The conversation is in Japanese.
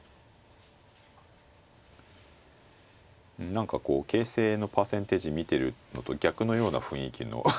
何かこう形勢のパーセンテージ見てるのと逆のような雰囲気の感じも。